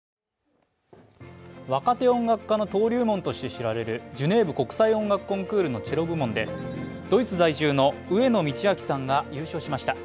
若手音楽家の登竜門として知られるジュネーブ国際音楽コンクールのチェロ部門でドイツ在住の上野通明さんが優勝しました。